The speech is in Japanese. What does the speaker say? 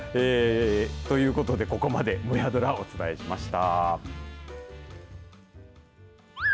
ということで、ここまでもやドラをお伝えしました。